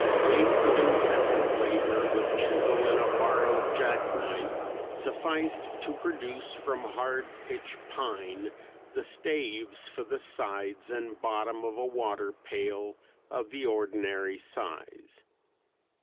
Days of incessant labor with chisel and a borrowed jackknife sufficed to produce from hard pitch pine the staves for the sides and bottom of a water pail of the ordinary size.